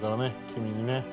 君にね。